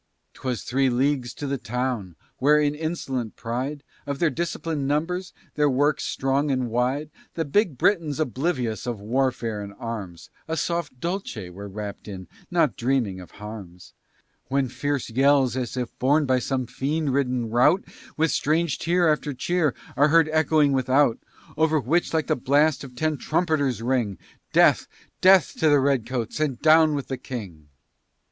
'Twas three leagues to the town, where, in insolent pride, Of their disciplined numbers, their works strong and wide, The big Britons, oblivious of warfare and arms, A soft dolce were wrapped in, not dreaming of harms, When fierce yells, as if borne on some fiend ridden rout, With strange cheer after cheer, are heard echoing without, Over which, like the blast of ten trumpeters, ring, "Death, death to the Redcoats, and down with the King!"